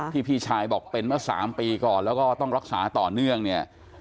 พี่ชายบอกเป็นเมื่อ๓ปีก่อนแล้วก็ต้องรักษาต่อเนื่องเนี่ย